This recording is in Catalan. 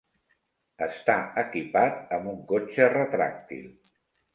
Està equipat amb un cotxe retràctil.